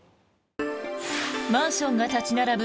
マンションが立ち並ぶ